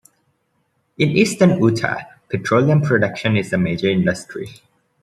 In eastern Utah petroleum production is a major industry.